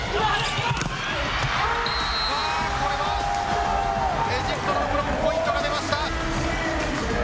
これはエジプトのブロックポイントが出ました。